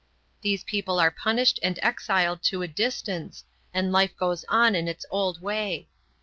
These people are punished and exiled to a distance, and life goes on in its old way.